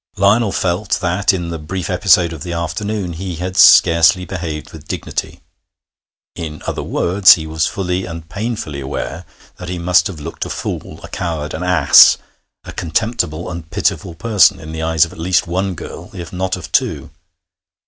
Lionel felt that in the brief episode of the afternoon he had scarcely behaved with dignity. In other words, he was fully and painfully aware that he must have looked a fool, a coward, an ass, a contemptible and pitiful person, in the eyes of at least one girl, if not of two.